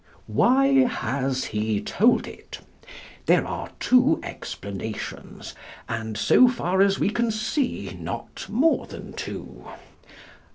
Why has he told it? There are two explanations; and, so far as we can see, not more than two.